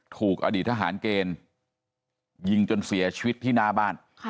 ถูกอดีตทหารเกณฑ์ยิงจนเสียชีวิตที่หน้าบ้าน